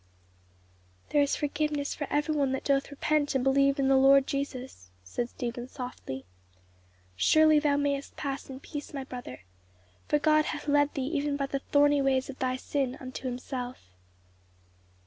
"There is forgiveness for every one that doth repent and believe in the Lord Jesus," said Stephen softly. "Surely thou mayest pass in peace, my brother; for God hath led thee even by the thorny ways of thy sin unto himself."